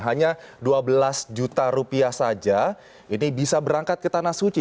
hanya dua belas juta rupiah saja ini bisa berangkat ke tanah suci